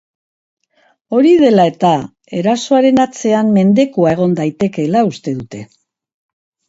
Hori dela eta, erasoaren atzean mendekua egon daitekeela uste dute.